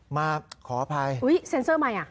มาขออภัยวิ้ววิ้วแซ็นเซอร์มัย